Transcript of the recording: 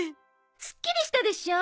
すっきりしたでしょ？